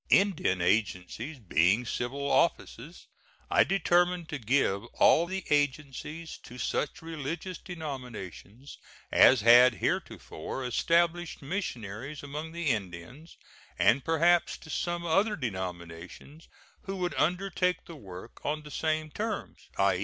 Indian agencies being civil offices, I determined to give all the agencies to such religious denominations as had heretofore established missionaries among the Indians, and perhaps to some other denominations who would undertake the work on the same terms i.